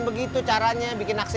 masih guard jatuh feteatan